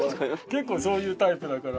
結構そういうタイプだから。